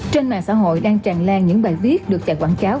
trên mạng xã hội đang tràn lan những bài viết được chạy quảng cáo